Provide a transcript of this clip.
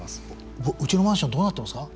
うちのマンションどうなってますか？